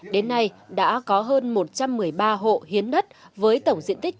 đến nay đã có hơn một trăm một mươi ba hộ hiến đất với tổng cộng đồng